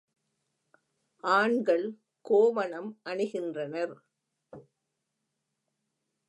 ஆண்கள் கோவணம் அணிகின்றனர்.